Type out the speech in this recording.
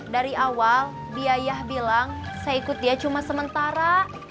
dari awal biaya bilang saya ikut dia cuma sementara